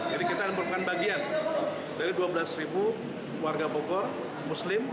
jadi kita memperkenalkan bagian dari dua belas warga bogor muslim